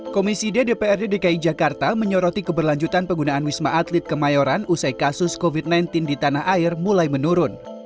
komisi ddprd dki jakarta menyoroti keberlanjutan penggunaan wisma atlet kemayoran usai kasus covid sembilan belas di tanah air mulai menurun